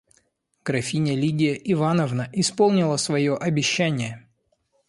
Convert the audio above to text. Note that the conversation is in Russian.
Графиня Лидия Ивановна исполнила свое обещание.